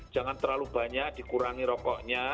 jangan terlalu banyak dikurangi rokoknya